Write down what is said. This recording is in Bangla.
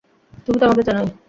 তুমি তো আমাকে চেনোই!